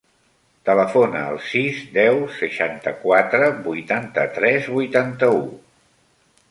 Telefona al sis, deu, seixanta-quatre, vuitanta-tres, vuitanta-u.